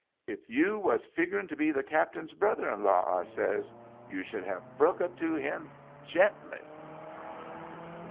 * If you was figuring to be the captain's brother in law,' I says, * you should have bruck it to him gently.'